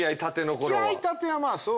付き合いたてはまあそう。